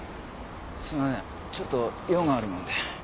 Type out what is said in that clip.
すいませんちょっと用があるもので。